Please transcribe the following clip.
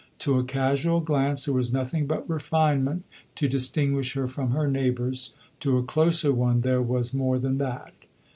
To a casual glance there was nothing but refinement to distinguish her from her neighbours, to a closer one there was more than that.